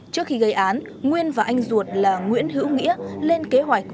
trước khi gây án nguyên và anh ruột là nguyễn hữu nghĩa lên kế hoạch